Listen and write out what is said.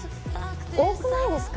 多くないですか？